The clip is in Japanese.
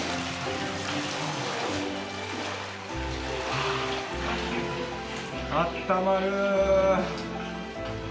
あったまるー。